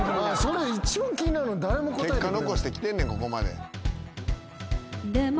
それ一番気になるのに誰も答えてくれない。